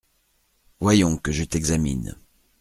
Voyons, que je t’examine…